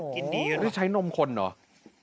กินดีกันนี่ใช้นมคนเหรอ